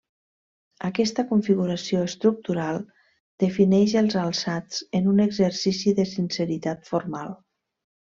Aquesta configuració estructural defineix els alçats, en un exercici de sinceritat formal.